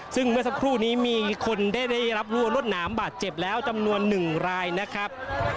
ซึ่งเมื่อสักครู่นี้มีคนได้รับรัวรวดหนามบาดเจ็บแล้วจำนวน๑รายนะครับ